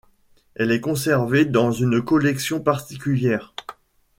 Elle est conservée dans une collection particulière.